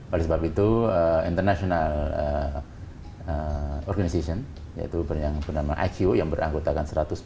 oleh sebab itu international organization yaitu yang bernama ico yang beranggota satu ratus sembilan puluh dua negara negara